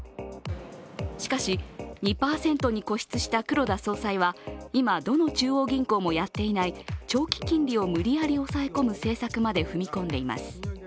しかし、２％に固執した黒田総裁は今、どの中央銀行もやっていない長期金利を無理やり抑え込む政策まで踏み込んでいます。